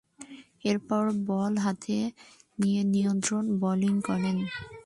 এরপর, বল হাতে নিয়ে নিয়ন্ত্রিত বোলিং করেন।